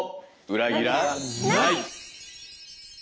裏切らない！